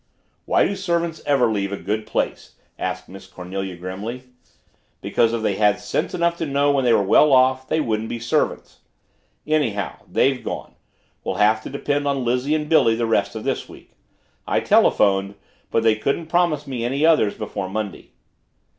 "Why do servants ever leave a good place?" asked Miss Cornelia grimly. "Because if they had sense enough to know when they were well off, they wouldn't be servants. Anyhow, they've gone we'll have to depend on Lizzie and Billy the rest of this week. I telephoned but they couldn't promise me any others before Monday."